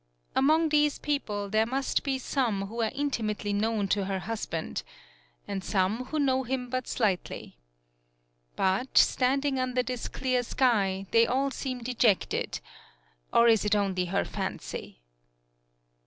Among these people there must be some who are intimately known to her husband, and some who know him but slightly. But, standing under this clear sky, they all seem dejected; or is it only her fancy?